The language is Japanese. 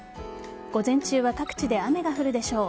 午前中は各地で雨が降るでしょう。